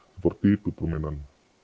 seperti itu permenan